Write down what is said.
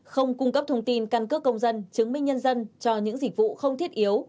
không cung cấp thông tin căn cước công dân chứng minh nhân dân cho những dịch vụ không thiết yếu